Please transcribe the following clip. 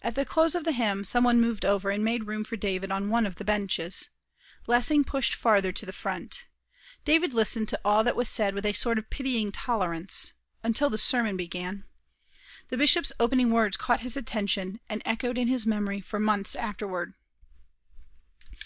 At the close of the hymn some one moved over, and made room for David on one of the benches. Lessing pushed farther to the front. David listened to all that was said with a sort of pitying tolerance, until the sermon began. The bishop's opening words caught his attention, and echoed in his memory for months afterward.